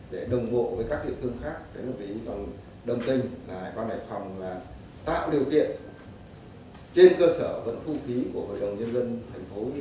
để đồng hộ với các địa phương khác đồng tình hải quan hải phòng tạo điều kiện trên cơ sở vẫn thu phí của hội đồng nhân dân thành phố huy